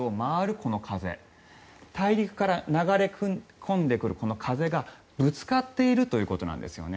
この風大陸から流れ込んでくるこの風がぶつかっているということなんですよね。